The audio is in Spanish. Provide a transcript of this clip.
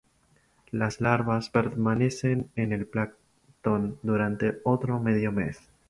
Las larvas permanecen en el plancton durante otro medio mes.